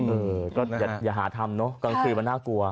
เออก็อย่าหาทำเนอะกลางคืนมันน่ากลัว